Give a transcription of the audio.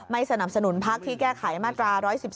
สนับสนุนพักที่แก้ไขมาตรา๑๑๒